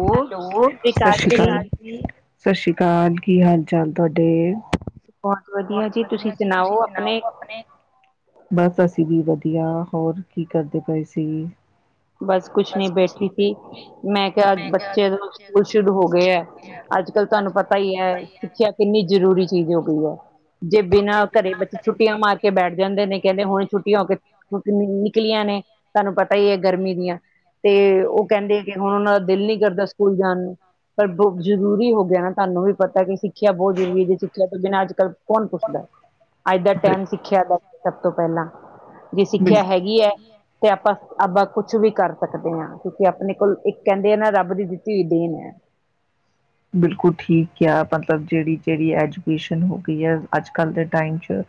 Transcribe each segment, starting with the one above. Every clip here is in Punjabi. ਹੋਰ ਹੈਲੋ, ਸਤਿ ਸਸ ਸ੍ਰੀ ਜੀ ਅਕਾਲ। ਸਸ਼ੀ ਕਾਲ, ਕੀ ਹਾਲ ਚਾਲ ਤੁਆਡੇ? ਬਹੁਤ ਵਧੀਆ ਜੀ, ਤੁਸੀਂ ਸੁਨਾਓ ਅਪਨੇ। ਅਪਨੇ। ਬਸ ਅਸੀਂ ਵੀ ਵਧੀਆ, ਹੋਰ ਕੀ ਕਰਦੇ ਪਏ ਸੀ। ਬਸ ਕੁਛ ਨਈ ਬੈਠੀ ਸੀ। ਮੈਂ ਕਿਆ ਅੱਜ ਬਚਿਆ ਨੂੰ ਸਕੂਲ ਸ਼ੁਰੂ ਹੋ ਗਏ ਐ। ਅੱਜ- ਕੱਲ੍ਹ ਤੁਆਨੂੰ ਪਤਾ ਈ ਐ, ਸਿੱਖਿਆ ਕਿੰਨੀ ਜ਼ਰੂਰੀ ਚੀਜ਼ ਹੋ ਗਈ ਐ। ਜੇ ਬਿਨਾਂ ਘਰੇ ਬੱਚੇ ਛੁੱਟੀਆਂ ਮਾਰ ਕੇ ਬੈਠ ਜਾਂਦੇ ਨੇ, ਕੈਂਦੇ ਹੁਣ ਛੁੱਟੀਆਂ ਹੋ ਕੇੇ ਹੂੰ ਓ ਨਿਕਲੀਆਂ ਨੇ, ਤਾਨੂੰ ਪਤਾ ਈ ਏ ਗਰਮੀ ਦੀਆਂ, ਤੇ ਓ ਕੈਂਦੇ ਕੇ ਹੁਣ ਉਨ੍ਹਾਂ ਦਾ ਦਿਲ ਨੀ ਕਰਦਾ ਸਕੂਲ ਜਾਨ ਨੂੰ। ਪਰ ਬੋਤ ਜ਼ਰੂਰੀ ਹੋ ਗਿਆ ਨਾ ਤਾਂਨੂੰ ਵੀ ਪਤਾ ਕਿ ਸਿੱਖਿਆ ਬੋਤ ਜ਼ਰੂਰੀ ਜੇ ਸਿੱਖਿਆ ਤੋਂ ਬਿਨਾਂ ਅੱਜ ਕੱਲ੍ਹ ਕੌਨ ਪੁੱਛਦਾ। ਅੱਜ ਦਾ ਟਾਈਮ ਸੀ ਸਿੱਖਿਆ ਦਾ ਸਭ ਤੋਂ ਪੈਲਾਂ, ਜੇ ਸਿੱਖਿਆ ਹੈਗੀ ਐ, ਤੇ ਆਪਾਂ-ਆਪਾਂ ਕੁਛ ਵੀ ਕਰ ਸਕਦੇ ਆਂ, ਕਿਉਂਕਿ ਆਪਣੇ ਕੋਲ ਇੱਕ ਕੈਂਦੇ ਆ ਨਾ ਰੱਬ ਦੀ ਦਿੱਤੀ ਹੋਈ ਦੇਣ ਐ। ਬਿਲਕੁਲ ਠੀਕ ਕਿਆ, ਮਤਲਬ ਜੇੜੀ-ਜੇੜੀ ਐਜੂਕੇਸ਼ਨ ਹੋ ਗਈ ਐ ਅੱਜ-ਕੱਲ ਦੇ ਟਾਈਮ ਚ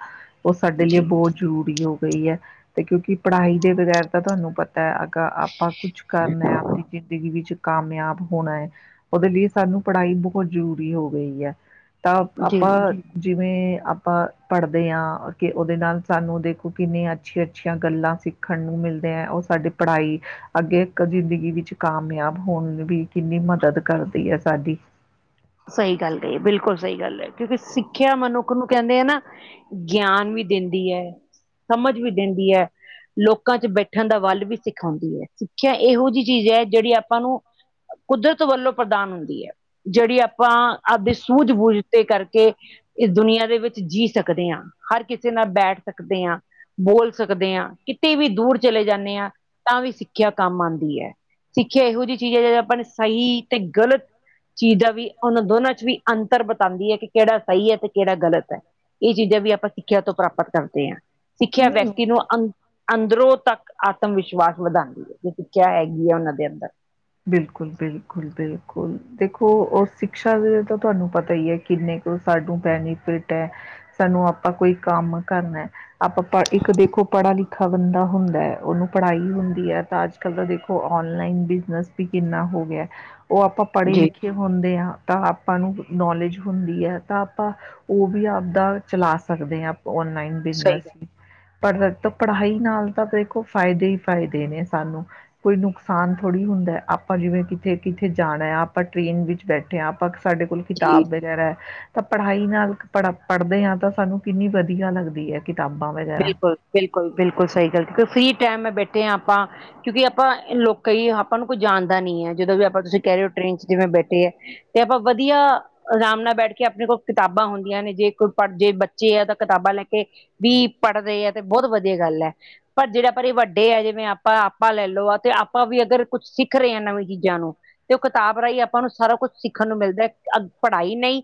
ਓ ਸਾਡੇ ਲਈ ਬੋਤ ਜ਼ਰੂਰੀ ਹੋ ਗਈ ਐ ਤੇ ਕਿਉਂਕਿ ਪੜ੍ਹਾਈ ਦੇ ਬਗੈਰ ਤਾਂ ਤੁਹਾਨੂੰ ਪਤ ਤੈ ਅਗਰ ਆਪਾਂ ਕੁਛ ਕਰਨੈ, ਆਪਨੀ ਜ਼ਿੰਦਗੀ ਵਿੱਚ ਕਾਮਯਾਬ ਹੋਣਾ ਐ, ਓਦੇ ਲਈ ਸਾਨੂੰ ਪੜ੍ਹਾਈ ਬਹੁਤ ਜ਼ਰੂਰੀ ਹੋ ਗਈ ਹੈ ਤਾਂ ਜੀ ਆਪਾਂ ਜਿਵੇਂ ਆਪਾਂ ਪੜ੍ਹਦੇ ਹਾਂ ਕਿ ਉਹਦੇ ਨਾਲ ਸਾਨੂੰ ਦੇਖੋ ਕਿੰਨੀਆਂ ਅੱਛੀਆਂ- ਅੱਛੀਆਂ ਗੱਲਾਂ ਸਿੱਖ ਸਿੱਖਣ ਨੂੰ ਮਿਲਦੇ ਹੈ ਉਹ ਸਾਡੀ ਪੜ੍ਹਾਈ ਅੱਗੇ ਜ਼ਿੰਦਗੀ ਵਿੱਚ ਕਾਮਯਾਬ ਹੋਣ ਵੀ ਕਿੰਨੀ ਮਦਦ ਕਰਦੀ ਹੈ ਸਾਡੀ ਸਹੀ ਗੱਲ ਕਹੀਏ ਬਿਲਕੁਲ ਸਹੀ ਗੱਲ ਹੈ ਕਿਉਂਕਿ ਸਿੱਖਿਆ ਮਨੁੱਖ ਨੂੰ ਕਹਿੰਦੇ ਆ ਨਾ ਗਿਆਨ ਵੀ ਦਿੰਦੀ ਹੈ ਸਮਝ ਵੀ ਦਿੰਦੀ ਹੈ। ਲੋਕਾਂ 'ਚ ਬੈਠਣ ਦਾ ਵੱਲ ਵੀ ਸਿਖਾਉਂਦੀ ਹੈ ਸਿੱਖਿਆ ਇਹੋ ਜਿਹੀ ਚੀਜ਼ ਹੈ ਜਿਹੜੀ ਆਪਾਂ ਨੂੰ ਕੁਦਰਤ ਵੱਲੋਂ ਪ੍ਰਦਾਨ ਹੁੰਦੀ ਹੈ ਜਿਹੜੀ ਆਪ ਆਪਾਂ ਆਪਦੇ ਸੂਝ- ਬੂਝ ਤੇ ਕਰਕੇ ਇਸ ਦੁਨੀਆਂ ਦੇ ਵਿੱਚ ਜੀ ਸਕਦੇ ਹਾਂ ਹਰ ਕਿਸੇ ਨਾਲ ਬੈਠ ਸਕਦੇ ਹਾਂ। ਬੋਲ ਸਕਦੇ ਆ, ਕਿਤੇ ਵੀ ਦੂਰ ਚਲੇ ਜਾਂਨੇ ਆ, ਤਾਂ ਵੀ ਸਿੱਖਿਆ ਕੰਮ ਆਂਦੀ ਐ। ਸਿੱਖਿਆ ਇਹੋ ਜੀ ਚੀਜ ਏ, ਜੇੜਾ ਆਪਾਂ ਨੂੰ ਸਹੀ ਤੇ ਗ਼ਲਤ ਚੀਜਾ ਦਾ ਕਿ, ਓਨਾਂ ਦੋਨਾਂ 'ਚ ਵੀ ਅੰਤਰ ਬਤਾਂਉਦੀ ਏ ਕਿ ਕਿਹੜਾ ਸਹੀ ਏ ਤੇ ਕਿਹੜਾ ਗ਼ਲਤ ਐ। ਏ ਚੀਜ਼ਾਂ ਵੀ ਆਪਾਂ ਸਿੱਖਿਆ ਤੋਂ ਪ੍ਰਾਪਤ ਕਰਦੇ ਆ। ਸਿੱਖਿਆ ਵਿਅਕਤੀ ਨੂੰ ਅੰ-ਅੰਦਰੋਂ ਤੱਕ ਆਤਮ ਵਿਸ਼ਵਾਸ ਵਧਾਂਦੀ ਏ ਜੈ ਸਿੱਖਿਆ ਹੈਗੀ ਏ ਓਨਾ ਦੇ ਅੰਦਰ। ਬਿਲਕੁਲ, ਬਿਲਕੁਲ, ਬਿਲਕੁਲ। ਦੇਖੋ ਓ ਸਿਕਸ਼ਾ ਦੇ ਤਾਂ ਤੁਹਾਨੂੰ ਪਤਾ ਈ ਐ ਕਿੰਨੇ ਕੁ ਸਾਨੂੰ ਬੈਨੀਫਿਟ ਐ। ਸਾਨੂੰ ਆਪਾਂ ਕੋਈ ਕੰਮ ਕਰਨੈ, ਆਪਾਂ ਪ ਇੱਕ ਦੇਖੋ ਪੜਾ ਲਿਖ ਔਖਾ ਬੰਦਾ ਹੁੰਦੈ, ਓਹਨੂੰ ਪੜ੍ਹਾਈ ਹੁੰਦੀ ਐ ਤਾਂ ਅੱਜ-ਕੱਲ ਦਾ ਦੇਖੋ ਔਨਲਾਈਨ ਬਿਜ਼ਨਸ ਵੀ ਕਿੰਨਾ ਹੋ ਗਯੈ, ਓ ਆਪਾਂ ਪੜ੍ਹੇ ਜੀ ਲਿਖੇ ਹੁੰਦੇ ਆਂ। ਤਾਂ ਆਪਾਂ ਨੂੰ ਨੌਲੇਜ ਹੁੰਦੀ ਐ ਤਾਂ ਆਪਾਂ ਓ ਵੀ ਆਪਦਾ ਚਲਾ ਸਕਦੇ ਆ ਆਪਾਂ ਓਨਲਾਈਨ। ਸਹੀ ਬਿਜ਼ਨਸ ਗੱਲ ਪਰ ਪੜ੍ਹਾਈ ਨਾਲ ਤਾਂ ਦੇਖੋ ਫਾਇਦੇ ਹੀ ਫਾਇਦੇ ਨੇ ਸਾਨੂੰ ਕੋਈ ਨੁਕਸਾਨ ਥੋੜ੍ਹੀ ਹੁੰਦਾ ਆਪਾਂ ਜਿਵੇਂ ਕਿਥੇ ਕਿੱਥੇ ਜਾਣਾ ਹੈ ਆਪਾਂ ਟ੍ਰੇਨ ਵਿੱਚ ਬੈਠੇ ਅਧਿਆਪਕ ਸਾਡੇ ਕੋਲ ਜੀ ਕਿਤਾਬ ਵਗੈਰਾ ਤਾਂ ਪੜ੍ਹਾਈ ਨਾਲ ਪੜ੍ਹ ਪੜ੍ਹਦੇ ਹਾਂ ਤਾਂ ਸਾਨੂੰ ਕਿੰਨੀ ਵਧੀਆ ਲੱਗਦੀ ਹੈ। ਕਿਤਾਬਾਂ ਵਿੱਚ ਬਿਲਕੁਲ- ਬਿਲਕੁਲ -ਬਿਲਕੁਲ ਸਹੀ ਗੱਲ ਕਿਉਂਕ ਫਰੀ ਟਾਈਮ ਮੈਂ ਬੈਠੇ ਹਾਂ ਆਪਾਂ ਕਿਉਂਕਿ ਆਪਾਂ ਲੋਕ ਆਪਾਂ ਨੂੰ ਕੋਈ ਜਾਣਦਾ ਨੀ ਹੈ ਜਦੋਂ ਵੀ ਆਪਾਂ ਤੁਸੀਂ ਕਹਿ ਰਹੇ ਹੋ ਟ੍ਰੇਨ 'ਚ ਜਿਵੇਂ ਬੈਠੇ ਹੈ। ਤੇ ਆਪਾਂ ਵਧੀਆ ਆਰਾਮ ਨਾਲ ਬੈਠ ਕੇ ਆਪਣੇ ਕੋਲ ਕਿਤਾਬਾਂ ਹੁੰਦੀਆਂ ਨੇ ਜੇ ਕੋਈ ਪੜ੍ਹ ਜੇ ਬੱਚੇ ਆ ਤਾਂ ਕਿਤਾਬਾਂ ਲੈ ਕੇ ਵੀ ਪੜ੍ਹਦੇ ਆ ਤੇ ਬਹੁਤ ਵਧੀਆ ਗੱਲ ਹੈ। ਪਰ ਜਿਹੜਾ ਪਰ ਇਹ ਵੱਡੇ ਆ ਜਿਵੇਂ ਆਪਾਂ- ਆਪਾਂ ਲੈ ਲਓ ਆ ਤੇ ਆਪਾਂ ਵੀ ਅਗਰ ਕੁੱਛ ਸਿੱਖ ਰਹੇ ਹਾਂ ਨਵੀਂ ਚੀਜ਼ਾਂ ਨੂੰ ਤੇ ਉਹ ਕਿਤਾਬ ਰਾਹੀਂ ਆਪਾਂ ਨੂੰ ਸਾਰਾ ਕੁਛ ਸਿੱਖਣ ਨੂੰ ਮਿਲਦਾ ਹੈ ਅ ਪੜ੍ਹਾਈ ਨਹੀਂ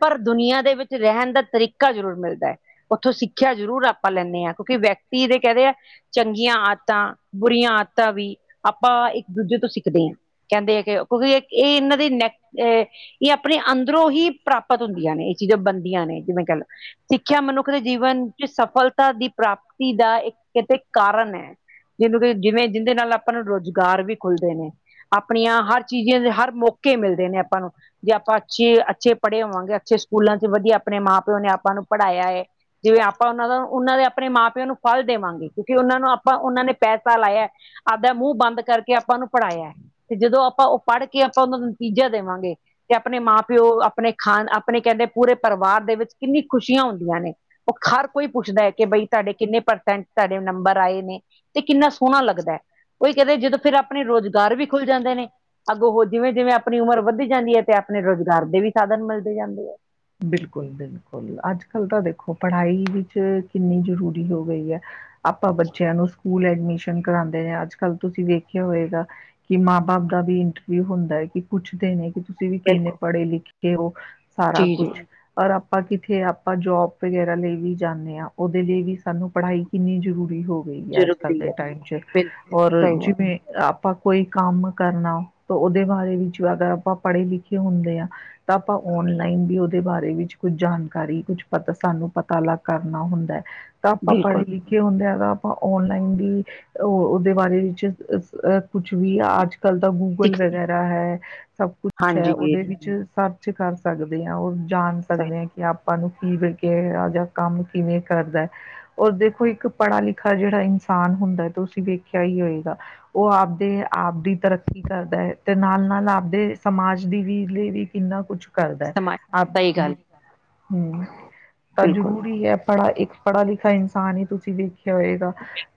ਪਰ ਦੁਨੀਆਂ ਦੇ ਵਿੱਚ ਰਹਿਣ ਦਾ ਤਰੀਕਾ ਜ਼ਰੂਰ ਮਿਲਦਾ ਹੈ ਉਥੋਂ ਸਿੱਖਿਆ ਜ਼ਰੂਰ ਆਪ ਆਪ ਲੈਂਣੇ ਹਾਂ ਕਿਉਂਕਿ ਵਿਅਕਤੀ ਇਹਦੇ ਕਹਿੰਦੇ ਆ। ਚੰਗੀਆਂ ਆਦਤਾਂ ਬੁਰੀਆਂ ਆਦਤਾਂ ਵੀ ਆਪਾਂ ਇੱਕ ਦੂਜੇ ਤੋਂ ਸਿੱਖਦੇ ਹਾਂ। ਕਹਿੰਦੇ ਆ ਕਿ ਕਿਉਂਕਿ ਇਹ ਇਹਨਾਂ ਦੇ ਨੈਕ ਇਹ ਆਪਣੇ ਅੰਦਰੋਂ ਹੀ ਪ੍ਰਾਪਤ ਹੁੰਦੀਆਂ ਨੇ ਇਹ ਚੀਜ਼ਾਂ ਬਣਦੀਆਂ ਨੇ ਜਿਵੇਂ ਕਹਿ ਲਓ ਸਿੱਖਿਆ ਮਨੁੱਖ ਦੇ ਜੀਵਨ ਚ ਸਫਲਤਾ ਦੀ ਪ੍ਰਾਪਤੀ ਦਾ ਇੱਕ ਕਿਤੇ ਕਾਰਨ ਹੈ ਜਿਹਨੂੰ ਕਿ ਜਿਵੇਂ ਜਿਹਦੇ ਨਾਲ ਆਪਾਂ ਨੂੰ ਰੁਜ਼ਗਾਰ ਵੀ ਖੁੱਲਦੇ ਨੇ ਆਪਣੀਆਂ ਹਰ ਚੀਜ਼ਾਂ ਦੇ ਹਰ ਮੌਕੇ ਮਿਲਦੇ ਨੇ ਆਪਾਂ ਨੂੰ ਜੇ ਆਪਾਂ ਅੱਛੇ ਅੱਛੇ ਪੜ੍ਹੇ ਹੋਵਾਂਗੇ ਅੱਛੇ ਸਕੂਲਾਂ ਚ ਵਧੀਆ ਆਪਣੇ ਮਾਂ ਪਿਓ ਨੇ ਆਪਾਂ ਨੂੰ ਪੜ੍ਹਾਇਆ ਹੈ ਜਿਵੇਂ ਆਪਾਂ ਉਹਨਾਂ ਦਾ ਉਹਨਾਂ ਦੇ ਆਪਣੇ ਮਾਂ ਪਿਓ ਨੂੰ ਫਲ ਦੇਵਾਂਗੇ ਕਿਉਂਕਿ ਉਹਨਾਂ ਨੂੰ ਆਪਾਂ ਉਹਨਾਂ ਨੇ ਪੈਸਾ ਲਾਇਆ ਆਪੱ ਦਾ ਮੂੰਹ ਬੰਦ ਕਰਕੇ ਆਪਾਂ ਨੂੰ ਪੜ੍ਹਾਇਆ ਤੇ ਜਦੋਂ ਆਪਾਂ ਪੜ੍ਹ ਕੇ ਆਪਾਂ ਉਹਨਾਂ ਨੂੰ ਨਤੀਜਾ ਦੇਵਾਂਗੇ ਤੇ ਆਪਣੇ ਮਾਂ ਪਿਓ ਆਪਣੇ ਖਾ ਆਪਣੇ ਕਹਿੰਦੇ ਪੂਰੇ ਪਰਿਵਾਰ ਦੇ ਵਿੱਚ ਕਿੰਨੀ ਖੁਸ਼ੀਆਂ ਹੁੰਦੀਆਂ ਨੇ ਉਹ ਹਰ ਕੋਈ ਪੁੱਛਦਾ ਹੈ। ਕਿ ਬਈ ਤੁਹਾਡੇ ਕਿੰਨੇ ਪਰਸੈਂਟ ਤੁਹਾਡੇ ਨੰਬਰ ਆਏ ਨੇ ਤੇ ਕਿੰਨਾ ਸੋਹਣਾ ਲੱਗਦਾ। ਉਹੀ ਕਹਿੰਦੇ ਜਦੋਂ ਫਿਰ ਆਪਣੇ ਰੁਜ਼ਗਾਰ ਵੀ ਖੁੱਲ ਜਾਂਦੇ ਨੇ ਅੱਗੋਂ ਜਿਵੇਂ -ਜਿਵੇਂ ਆਪਣੀ ਉਮਰ ਵੱਧ ਜਾਂਦੀ ਹੈ। ਤੇ ਆਪਣੇ ਰੁਜ਼ਗਾਰ ਦੇ ਵੀ ਸਾਧਨ ਮਿਲਦੇ ਜਾਂਦੇ ਆ। ਬਿਲਕੁਲ- ਬਿਲਕੁਲ, ਅੱਜ ਕੱਲ੍ਹ ਤਾਂ ਦੇਖੋ ਪੜ੍ਹਾਈ ਵਿੱਚ ਕਿੰਨੀ ਜ਼ਰੂਰੀ ਹੋ ਗਈ ਹੈ। ਆਪਾਂ ਬੱਚਿਆਂ ਨੂੰ ਸਕੂਲ ਐਡਮਸ਼ਨ ਕਰਾਂਦੇ ਨੇ ਅੱਜ ਕੱਲ ਤੁਸੀਂ ਵੇਖਿਆ ਹੋਏਗਾ। ਕਿ ਮਾਂ ਬਾਪ ਦਾ ਵੀ ਇੰਟਰ ਵੀ ਹੁੰਦਾ ਹੈ। ਕਿ ਪੁੱਛਦੇ ਨੇ ਕਿ ਤੁਸੀਂ ਵੀ ਕਿੰਨੇ ਬਿਲਕੁਲ ਪੜ੍ਹੇ ਲਿਖੇ ਹੋ। ਸਾਰਾ ਜੀ ਜੀ ਕੁਛ ਔਰ ਆਪਾਂ ਕਿਥੇ ਆਪਾਂ ਜੋਬ ਵਗੈਰਾ ਲਈ ਵੀ ਜਾਂਦੇ ਹਾਂ। ਉਹਦੇ ਲਈ ਵੀ ਸਾਨੂੰ ਪੜ੍ਹਾਈ ਕਿੰਨੀ ਜ਼ਰੂਰੀ ਹੋਓ। ਗਈ ਆ ਅੱਜ ਕੱਲ੍ਹ ਜ਼ਰੂਰੀ ਦੇ ਹੈ ਟਾਈਮ ਚ ਬਿਲਕੁਲ ਔਰ ਸਹੀ ਗੱਲ ਜਿਵੇਂ ਆਪਾਂ ਕੋਈ ਕੰਮ ਕਰਨਾ ਉਹਦੇ ਬਾਰੇ ਵਿੱਚ ਅਗਰ ਆਪਾਂ ਪੜ੍ਹੇ ਲਿਖੇ ਹੁੰਦੇ ਹਾਂ ਤਾਂ ਆਪਾਂ ਔਨਲਾਈਨ ਵੀ ਉਹਦੇ ਬਾਰੇ ਵਿੱਚ ਕੁਛ ਜਾਣਕਾਰੀ ਕੁੱਛ ਪਤਾ ਸਾਨੂੰ ਪਤਾ ਲੱਗ ਕਰਨਾ ਹੁੰਦਾ ਹੈ ਤਾਂ ਆਪਾਂ ਪੜ੍ਹੇ ਬਿਲਕੁਲ ਲਿਖੇ ਹੁੰਦੇ ਆ ਤਾਂ ਆਪਾਂ ਔਨਲਾਈਨ ਵੀ ਉਹ ਉਹਦੇ ਬਾਰੇ ਵਿੱਚ ਅ ਕੁੱਛ ਵੀ ਆ ਅੱਜ ਕੱਲ ਤਾਂ ਗ ਗੂਗਲ ਸਿੱਖ ਵਗੈਰਾ ਹੈ ਸਭ ਕੁਛ ਹੈ ਹਾਂਜੀ ਉਹਦੇ ਵਿੱਚ ਸਰਚ ਕਰ ਸਕਦੇ ਹ ਉਹ ਜਾਣ ਸਹੀ ਸਕਦੇ ਹ ਕਿ ਆਪਾਂ ਨੂੰ ਕੀ ਜਾਂ ਕੰਮ ਕਿਵੇਂ ਕਰਦਾ ਹੈ ਰ ਦੇਖੋ ਇੱਕ ਪੜ੍ਹਾ ਲਿਖਾ ਜਿਹੜਾ ਇਨਸਾਨ ਹੁੰਦਾ ਤੇ ਤੁਂ ਵੇਖਿਆ ਹੀ ਹੋਏਗਾ ਉਹ ਆਪਦੇ ਆਪ ਦੀ ਤਰੱਕ ਕੀ ਕਰਦਾ ਹੈ ਤੇ ਨਾਲ ਨਾਲ ਆਪਦੇ ਸਮਾਜ ਦੀ ਵੀ ਲਈ ਵੀ ਕਿੰਨਾ ਕੁਛ ਕਰਦਾ ਸਮਾਜ ਆਪ ਸਹੀ ਮ ਗ ਗੱਲ ਹਮ ਤਾਂ ਬਿਲਕੁਲ ਜ਼ਰੂਰੀ ਹੈ ਪੜ੍ਹਾ ਇੱਕ ਪੜ੍ਹਾ ਲਿਖਾ ਇਨਸਾਨ ਹੀ ਤੁਸੀਂ ਵੇਖਿਆ ਹੋਏਗਾ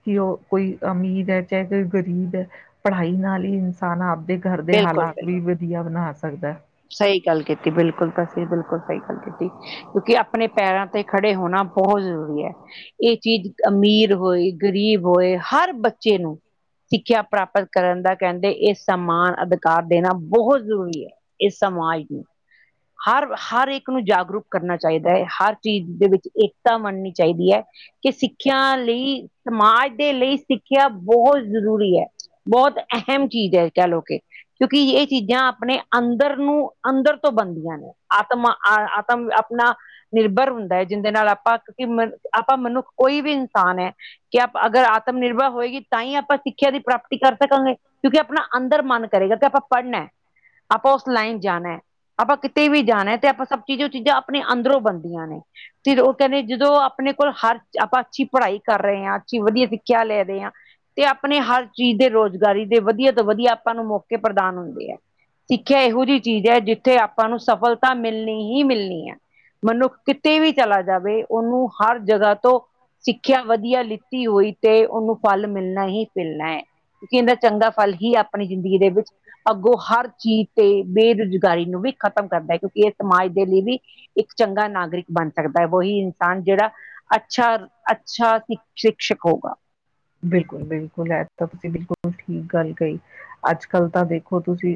ਕਿ ਉਹ ਕੋਈ ਅਮੀਰ ਹੈ ਚਾਹੇ ਕੋਈ ਗਰੀਬ ਹੈ ਪੜ੍ਹਾਈ ਨਾਲ ਹੀ ਇਨਸਾਨ ਆਪਦੇ ਘਰ ਦੇ ਬਿਲਕੁਲ ਹਾਲਾਤ ਵੀ ਬਿਲਕੁਲ ਵਧੀਆ ਬਣਾ ਸਕਦਾ ਹੈ ਸਹੀ ਗੱਲ ਕੀਤੀ ਬਿਲਕੁਲ ਤਾਂਸੀਹੀ ਬਿਲਕੁਲ ਸਹੀ ਗੱਲ ਕੀਤੀ ਕਿਉਂਕਿ ਆਪਣੇ ਪੈਰਾਂ ਤੇ ਖੜੇ ਹੋਣਾ ਬਹੁਤ ਜ਼ਰੂਰੀ ਹੈ ਇਹ ਚੀਜ਼ ਅਮੀਰ ਹੋਏ ਗਰੀਬ ਹੋਏ ਹਰ ਬੱਚੇ ਨੂੰ ਸਿੱਖਿਆ ਪ੍ਰਾਪਤ ਕਰਨ ਦਾ ਕਹਿੰਦੇ ਇਹ ਸਮਾਨ ਅਧਿਕਾਰ ਦੇਣਾ ਬਹੁਤ ਜ਼ਰੂਰੀ ਹੈ। ਇਸ ਸਮਾਜ ਨੂੰ ਹਰ ਹਰ ਇੱਕ ਨੂੰ ਜਾਗਰੂਕ ਕਰਨਾ ਚਾਹੀਦਾ ਹੈ। ਹਰ ਚੀਜ਼ ਦੇ ਵਿੱਚ ਏਕਤਾ ਮੰਨਨੀ ਚਾਹੀਦੀ ਹੈ। ਕਿ ਸਿੱਖਿਆ ਲਈ ਸਮਾਜ ਦੇ ਲਈ ਸਿੱਖਿਆ ਬਹੁਤ ਜ਼ਰੂਰੀ ਹੈ। ਬਹੁਤ ਅਹਿਮ ਚੀਜ਼ ਹੈ। ਕਹਿ ਲਓ ਕਿ ਕਿਉਂਕਿ ਇਹ ਚੀਜ਼ਾਂ ਆਪਣੇ ਅੰਦਰ ਨੂੰ ਅੰਦਰ ਤੋਂ ਬਣਦੀਆਂ ਨੇ ਆਤਮਾ- ਆਤਮ ਆਪਣਾ ਨਿਰਭਰ ਹੁੰਦਾ ਹੈ। ਜਿੰਹਦੇ ਨਾਲ ਆਪਾਂ, ਕਿਉਂਕਿ ਮ ਆਪਾਂ ਮਨੁੱਖ ਕੋਈ ਵੀ ਇਨਸਾਨ ਹੈ। ਕਿ ਆਪ ਅਗਰ ਆਤਮ ਨਿਰਭਰ ਹੋਏਗੀ ਤਾਂ ਹੀ ਆਪਾਂ ਸਿੱਖਿਆ ਦੀ ਪ੍ਰਾਪਤੀ ਕਰ ਸਕਾਂਗੇ। ਕਿਉਂਕਿ ਆਪਣਾ ਅੰਦਰ ਮਨ ਕਰੇਗਾ। ਕਿ ਆਪਾਂ ਪੜ੍ਹਨਾ ਆਪਾਂ ਉਸ ਲਾਈਨ ਜਾਣਾ ਆਪਾਂ ਆਪਾਓਸ ਲਾਈਨ ਜਾਣਾ ਕਿਤੇ ਵੀ ਜਾਣਾ ਤੇ ਆਪਾਂ ਸਭ ਚੀਜ਼ ਉਹ ਚੀਜ਼ਾਂ ਆਪਣੇ ਅੰਦਰੋਂ ਬਣਦੀਆਂ ਨੇ। ਤੇ ਉਹ ਕਹਿੰਦੇ ਜਦੋਂ ਆਪਣੇ ਕੋਲ ਹਰ ਆਪਾਂ ਅੱਛੀ ਪੜ੍ਹਾਈ ਕਰ ਰਹੇ ਹਾਂ। ਅੱਛੀ ਵਧੀਆ ਸਿੱਖਿਆ ਲੈ ਰਹੇ ਹਾਂ। ਤੇ ਆਪਣੇ ਹਰ ਚੀਜ਼ ਦੇ ਰੋਜ਼ਗਾਰੀ ਦੇ ਵਧੀਆ ਤੋਂ ਵਧੀਆ ਆਪਾਂ ਨੂੰ ਮੌਕੇ ਪ੍ਰਦਾਨ ਹੁੰਦੇ ਹੈ। ਸਿੱਖਿਆ ਇਹੋ ਜਿਹੀ ਚੀਜ਼ ਹੈ। ਜਿੱਥੇ ਆਪਾਂ ਨੂੰ ਸਫਲਤਾ ਮਿਲਣੀ ਹੀ ਮਿਲਣੀ ਹੈ। ਮਨੁੱਖ ਕਿਤੇ ਵੀ ਚਲਾ ਜਾਵੇ ਉਹਨੂੰ ਹਰ ਜਗ੍ਹਾ ਤੋਂ ਸਿੱਖਿਆ ਵਧੀਆ ਲਿੱਤੀ ਹੋਈ ਤੇ ਉਹਨੂੰ ਫਲ ਮਿਲਣਾ ਹੀ ਮਿਲਣਾ ਹੈ ਕਿਉਂਕਿ ਇਹਦਾ ਚੰਗਾ ਫਲ ਹੀ ਆਪਣੀ ਜ਼ਿੰਦਗੀ ਦੇ ਵਿੱਚ ਅੱਗੋਂ ਹਰ ਚੀਜ਼ ਤੇ ਬੇਰੁਜ਼ਗਾਰੀ ਨੂੰ ਵੀ ਖਤਮ ਕਰ ਕਿਉਂਕਿ ਇਹ ਸਮਾਜ ਦੇ ਲਈ ਵੀ ਇੱਕ ਚੰਗਾ ਨਾਗਰਿਕ ਬਣ ਸਕਦਾ ਉਹੀ ਇਨਸਾਨ ਜਿਹੜਾ ਅੱਛਾ-ਅੱਛਾ ਸ਼ਿਕਸ਼ਕ ਹੋਗਾ। ਬਿਲਕੁਲ-ਬਿਲਕੁਲ ਐ ਤਾ ਤੁਸੀ ਬਿਲਕੁਲ ਠੀਕ ਗੱਲ ਕਹੀ ਅੱਜ ਕੱਲ ਤਾਂ ਦੇਖੋ ਤੁਸੀ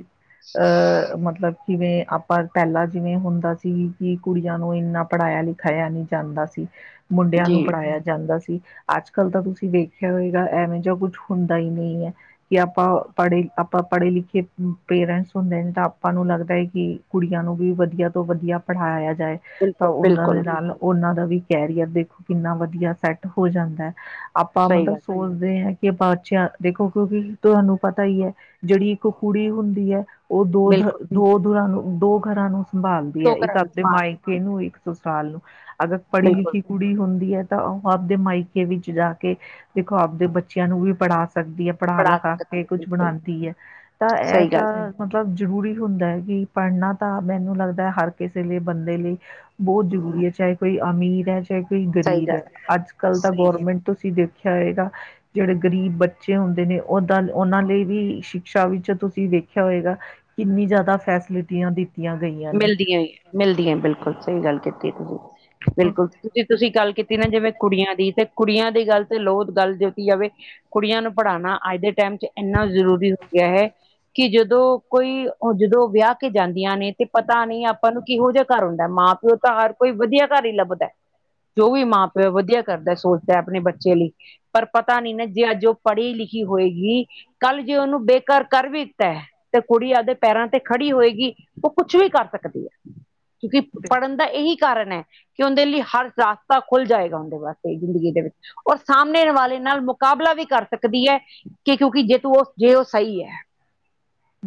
ਅਹ ਮਤਲਬ ਜੀਵੇ ਆਪਾ ਪਹਿਲਾ ਜਿਵੇਂ ਹੁੰਦਾ ਸੀ ਕਿ ਕੁੜੀਆਂ ਨੂੰ ਇੰਨਾ ਪੜ੍ਹਾਇਆ-ਲਿਖਾਇਆ ਨੀ ਜਾਂਦਾ ਸੀ। ਮੁੰਡਿਆਂ ਜੀ ਨੂੰ ਪੜ੍ਹਾਇਆ ਜਾਂਦਾ ਸੀ ਅੱਜ ਕੱਲ ਤਾਂ ਤੁਸੀਂ ਦੇੇਖਿਆ ਹੋਏ ਐਵੇਂ ਜਾਂ ਕੁੱਛ ਹੁੰਦਾ ਹੀ ਨੀ ਹੈ ਕਿ ਆਪਾਂ ਪੜ੍ਹੇ ਆਪਾਂ ਪੜ੍ਹੇ ਲਿਖੇ ਪੇਰੈਂਟਸ ਹੁੰਦੇ ਨੇ ਤਾਂ ਆਪਾਂ ਨੂੰ ਲੱਗਦਾ ਹੈ ਕਿ ਕੁੜੀਆਂ ਨੂੰ ਵੀ ਵਧੀਆ ਤੋਂ ਵਧੀਆ ਪੜ੍ਹਾਇਆ ਜਾਏ। ਤਾਂ ਬਿਲਕੁਲ ਉਹਨਾਂ ਦੇ ਬਿਲਕੁਲ ਨਾਲ ਉਹਨਾਂ ਦਾ ਵੀ ਕੈਰੀਅਰ ਦੇਖੋ ਕਿੰਨਾ ਵਧੀਆ ਸੈਟ ਹੋ ਜਾਂਦਾ। ਆਪਾਂ ਸਹੀ ਮਤਲਬ ਗੱਲ ਸੋਚਦੇ ਹਾ ਕਿ ਆਪਾਂ ਚਿਆਂਰ ਦੇਖੋ ਕਿਉਂਕਿ ਤੁਹਾਨੂੰ ਪਤਾ ਹੀ ਹੈ ਜਿਹੜੀ ਇੱਕ ਕੁੜੀ ਹੁੰਦੀ ਹੈ ਉਹ ਦੋ ਦ ਬਿਲਕੁਲ ਦੋ ਦੁਰਾਂ ਨੂੰ ਦੋ ਘਰਾਂ ਨੂੰ ਸੰਭਾਲਦੀ ਹੈ ਧੋ ਇੱਕ ਕਰਾਂ ਨੂੰ ਆਪਦੇ ਸੰਭਾਲ ਮਾਇਕੇ ਨੂੰ ਇੱਕ ਸੋ ਸਾਲ ਨੂੰ ਅਗਰ ਪੜ੍ਹੀ ਬਿਲਕੁਲ ਲਿਖੀ ਕੁੜੀ ਹੁੰਦੀ ਹੈ ਤਾਂ ਉਹ ਆਪਦੇ ਮਾਇਕੇ ਵਿੱਚ ਜਾ ਕੇ ਦੇਖੋ ਆਪਦੇ ਬੱਚਿਆਂ ਨੂੰ ਵੀ ਪੜ੍ਹਾ ਸਕਦੀ ਹੈ। ਪੜਾ ਪੜ੍ਹਾ ਲਿਖਾ ਸਕਦੀ ਕੇ ਕੁਛ ਬਿਲਕੁਲ ਬਣਾਉਂਦੀ ਹੈ ਤਾਂ ਇਹ ਸਹੀ ਤਾਂ ਗੱਲ ਮਤਲਬ ਜ਼ਰੂਰੀ ਹੁੰਦਾ ਹੈ ਕਿ ਪੜ੍ਹਨਾ ਤਾਂ ਮੈਨੂੰ ਲੱਗਦਾ ਹਰ ਕਿਸੇ ਲਈ ਬੰਦੇ ਲਈ ਬਹੁਤ ਜ਼ਰੂਰੀ ਹੈ ਚਾਹੇ ਕੋਈ ਅਮੀਰ ਹੈ ਚਾਹੇ ਕੋਈ ਸਹੀ ਗ਼ਰੀਬ ਹੈ ਗੱਲ ਅੱਜ ਕੱਲ੍ਹ ਤਾਂ ਸਹੀ ਗੱਲ ਗੌਰਮੈਂਟ ਤੁਸੀਂ ਦੇਖ ਖਿਆਏਗਾ ਜਿਹੜੇ ਗ਼ਰੀਬ ਬੱਚੇ ਹੁੰਦੇ ਨੇ ਓਦਾਂ ਉਹਨਾਂ ਲਈ ਵੀ ਸ਼ਿਕਸ਼ਾ ਵਿੱਚ ਤੁਸੀਂ ਵੇਖਿਆ ਹੋਏਗਾ ਕਿੰਨੀ ਜ਼ਿਆਦਾ ਫੈਸਿਲਿਟੀਆ ਦੀ। ਮਿਲਦੀਆਂ ਹੀ ਏ ਮਿਲਦੀਆਂ ਬਿਲਕੁਲ ਸਹੀ ਗੱਲ ਕੀਤੀ ਤੁਸੀਂ ਬਿਲਕੁਲ ਤੁਸੀਂ ਗੱਲ ਕੀਤੀ ਨਾ ਜਿਵੇਂ ਕੁੜੀਆਂ ਦੀ ਤੇ ਕੁੜੀਆਂ ਦੀ ਗੱਲ ਤੇ ਲੋ ਗੱਲ ਜੋਤੀ ਜਾਵੇ। ਕੁੜੀਆਂ ਨੂੰ ਪੜ੍ਹਾਉਣਾ ਅੱਜ ਦੇ ਟਾਈਮ ਚ ਇੰਨਾ ਜ਼ਰੂਰੀ ਹੋ ਗਿਆ ਹੈ। ਕਿ ਜਦੋਂ ਕੋਈ ਜਦੋਂ ਵਿਆਹ ਕੇ ਜਾਂਦੀਆਂ ਨੇ ਤੇ ਪਤਾ ਨੀ ਆਪਾਂ ਨੂੰ ਕਿਹੋ ਜਿਹਾ ਘਰ ਹੁੰਦਾ ਮਾਂ ਪਿਓ ਤਾਂ ਹਰ ਕੋਈ ਵਧੀਆ ਘਰ ਹੀ ਲੱਭਦਾ। ਜੋ ਵੀ ਮਾਂ-ਪਿਓ ਵਧੀਆ ਕਰਦਾ ਸੋਚਦਾ ਆਪਣੇ ਬੱਚੇ ਲਈ। ਪਰ ਪਤਾ ਨੀ ਨਾ ਜੇ ਅੱਜ ਉਹ ਪੜ੍ਹੀ ਲਿਖੀ ਹੋਏਗੀ ਕੱਲ ਜੇ ਉਹਨੂੰ ਬੇ ਘਰ ਕਰ ਵੀ ਦਿੱਤਾ ਤੇ ਕੁੜੀ ਆਪਦੇ ਪੈਰਾਂ ਤੇ ਖੜੀ ਹੋਏਗੀ। ਉਹ ਕੁਛ ਵੀ ਕਰ ਸਕਦੀ ਹੈ ਕਿਉਂਕਿ ਪੜ੍ਹਨ ਦਾ ਇਹੀ ਕਾਰਨ ਹੈ। ਕਿ ਉਹਦੇ ਲਈ ਹਰ ਰਸਤਾ ਖੁੱਲ ਜਾਏਗਾ ਉਹਦੇ ਵਾਸਤੇ ਜ਼ਿੰਦਗੀ ਦੇ ਵਿੱਚ। ਔਰ ਸਾਹਮਣੇ ਵਾਲੇ ਨਾਲ ਮੁਕਾਬਲਾ ਵੀ ਕਰ ਸਕਦੀ ਹੈ ਕਿ ਕਿਉਂਕਿ ਜੇ ਤੂੰ ਉਹ ਜੇ ਉਹ ਸਹੀ ਹੈ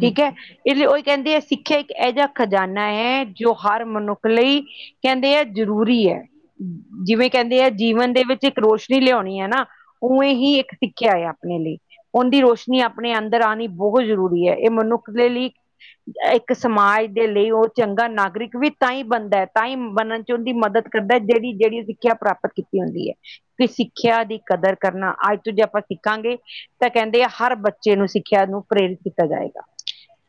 ਠੀਕ ਹੈ ਇਸ ਲਈ ਉਹੀ ਕਹਿੰਦੇ ਹੈ ਸਿੱਖਿਆ ਇੱਕ ਇਹੋ ਜਿਹਾ ਖਜਾਨਾ ਹੈ ਜੋ ਹਰ ਮਨੁੱਖ ਲਈ ਕਹਿੰਦੇ ਹੈ ਜ਼ਰੂਰੀ ਹੈ। ਜਿਵੇਂ ਕਹਿੰਦੇ ਆ ਜੀਵਨ ਦੇ ਵਿੱਚ ਇੱਕ ਰੋਸ਼ਨੀ ਲਿਆਉਣੀ ਹੈ ਨਾ ਉਵੇਂ ਹੀ ਇੱਕ ਸਿੱਖਿਆ ਹੈ ਆਪਣੇ ਲਈ। ਉਹਦੀ ਰੋਸ਼ਨੀ ਆਪਣੇ ਅੰਦਰ ਆਉਣੀ ਬਹੁਤ ਜ਼ਰੂਰੀ ਹੈ ਇਹ ਮਨੁੱਖ ਦੇ ਲਈ ਇਕ ਸਮਾਜ ਦੇ ਲਈ ਉਹ ਚੰਗਾ ਨਾਗਰਿਕ ਵੀ ਤਾਂ ਹੀ ਬਣਦਾ ਤਾਂ ਹੀ ਬਣਨ ਚ ਉਹਦੀ ਮਦਦ ਕਰਦਾ ਜਿਹੜੀ-ਜਿਹੜੀ ਸਿੱਖਿਆ ਪ੍ਰਾਪਤ ਕੀਤੀ ਹੁੰਦੀ ਹੈ। ਕਿ ਸਿੱਖਿਆ ਦੀ ਕਦਰ ਕਰਨਾ ਅੱਜ ਤੋਂ ਜੇ ਆਪਾਂ ਸਿੱਖਾਂਗੇ ਤਾਂ ਕਹਿੰਦੇ ਹਰ ਬੱਚੇ ਨੂੰ ਸਿੱਖਿਆ ਨੂੰ ਪ੍ਰੇਰਿਤ ਕੀਤਾ ਜਾਏਗਾ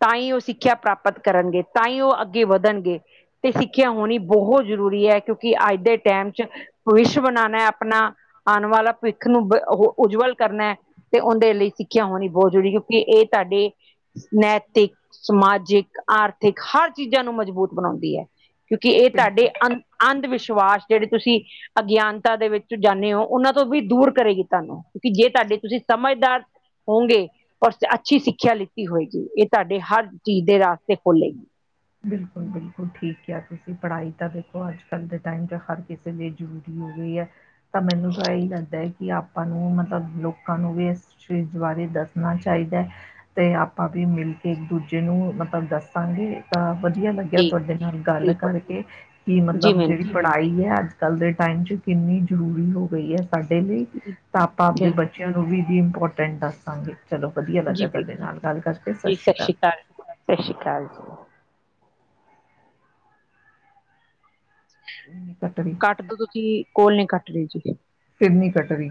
ਤਾਂ ਹੀ ਉਹ ਸਿੱਖਿਆ ਪ੍ਰਾਪਤ ਕਰਨਗੇ ਤਾਂ ਹੀ ਉਹ ਅੱਗੇ ਵਧ ਣਗੇ ਤੇ ਸਿੱਖਿਆ ਹੋਣੀ ਬਹੁਤ ਜ਼ਰੂਰੀ ਹੈ ਕਿਉਂਕਿ ਅੱਜ ਦੇ ਟੈਮ ਚ ਭਵਿੱਸ਼ ਬਣਾਣਾ ਆਪਣਾ ਆਉਣ ਵਾਲਾ ਭਵਿੱਖ ਨੂੰ ਉਜਵਲ ਕਰਨਾ ਤੇ ਉਹਦੇ ਲਈ ਸਿੱਖਿਆ ਹੋਣੀ ਬਹੁਤ ਜ਼ਰੂਰੀ ਕਿਉਂਕਿ ਇਹ ਤੁਹਾਡੇ ਨੈਤਿਕ, ਸਮਾਜਿਕ ਆਰਥਿਕ ਹਰ ਚੀਜ਼ਾਂ ਨੂੰ ਮਜ਼ਬੂਤ ਬਣਾਉਂਦੀ ਹੈ ਕਿਉਂਕਿ ਇਹ ਤੁਹਾਡੇ ਬਿਲਕੁਲ ਅੰ ਅੰਧ ਵਿਸ਼ਵਾਸ ਜਿਹੜੇ ਤੁਸੀਂ ਅਗਿਆਨਤਾ ਦੇ ਵਿੱਚ ਜਾਂਦੇ ਹੋ ਉਹਨਾਂ ਤੋਂ ਵੀ ਦੂਰ ਕਰੇਗੀ ਤੁਹਾਨੂੰ, ਕਿਉਂਕਿ ਜੇ ਤੁਹਾਡੇ ਤੁਸੀਂ ਸਮਝਦਾਰ ਹੋੋਂਗੇ, ਪਰ ਅੱਛੀ ਸਿੱਖਿਆ ਲਿੱਤੀ ਹੋਏਗੀ ਇਹ ਤੁਹਾਡੇ ਹਰ ਚੀਜ਼ ਦੇ ਰਸਤੇ ਖੋਲੇਗੀ ਬਿਲਕੁਲ-ਬਿਲਕੁਲ ਠੀਕ ਆ ਤੁਸੀਂ ਪੜ੍ਹਾਈ ਤਾਂ ਦੇਖੋ ਅੱਜ ਕੱਲ੍ਹ ਦੇ ਟਾਈਮ 'ਚ ਹਰ ਕਿਸੇ ਲਈ ਜ਼ਰੂਰੀ ਹੋ ਗਈ ਹੈ ਤਾਂ ਮੈਨੂੰ ਤਾਂ ਇਹੀ ਲੱਗਦਾ ਹੈ ਕਿ ਆਪਾਂ ਨੂੰ ਮਤਲਬ ਲੋਕਾਂ ਨੂੰ ਵੀ ਇਸ ਚੀਜ਼ ਬਾਰੇ ਦੱਸਣਾ ਚਾਹੀਦਾ, ਤੇ ਆਪਾਂ ਵੀ ਮਿਲ ਕੇ ਇੱਕ ਦੂਜੇ ਨੂੰ ਮਤਲਬ ਦੱਸਾਂਗੇ ਤਾਂ ਵਧੀਆ ਲੱਗਿਆ ਜੀ ਤੁਹਾਡੇ ਨਾਲ ਗੱਲ ਬਿਲਕੁਲ ਕਰਕੇ, ਕਿ ਜੀ ਮਤਲਬ ਮੈਮ ਜਿਹੜੀ ਪੜਾਈ ਹੈ ਅੱਜ ਕੱਲ੍ਹ ਦੇ ਟਾਈਮ 'ਚ ਕਿੰਨੀ ਜ਼ਰੂਰੀ ਹੋ ਗਈ ਹੈ ਸਾਡੇ ਲਈ, ਤਾਂ ਆਪਾਂ ਆਪਦੇ ਬਿਲ ਬੱਚਿਆਂ ਨੂੰ ਵੀ ਇਹਦੀ ਇੰਪੋਰਟੈਂਟ ਦੱਸਾਂਗੇ ਚਲੋ ਵਧੀਆ ਜੀ ਲੱਗਿਆ ਤੁਹਾਡੇ ਬਿਲਕੁਲ ਨਾਲ ਗੱਲ ਕਰਕੇ, ਸਤਿ ਸ੍ਰੀ ਅਕਾਲ ਸਤਿ ਸ੍ਰੀ ਅਕਾਲ ਜੀ ਨਹੀਂ ਕੱਟ ਰਹੀ ਕੱਟਦੋ ਤੁਸੀਂ, ਕੋਲ ਨਹੀਂ ਕੱਟ ਰਹੇ ਜੀ ਫਿਰ ਨੀ ਕੱਟ ਰਹੀ